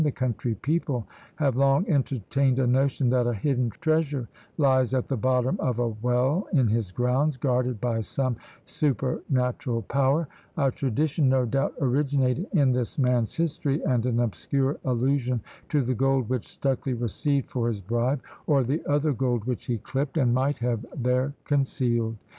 The country people have long entertained a notion that a hidden treasure lies at the bottom of a well in his grounds, guarded by some supernatural power: a tradition no doubt originating in this man's history, and an obscure allusion to the gold which Stucley received for his bribe, or the other gold which he clipped, and might have there concealed.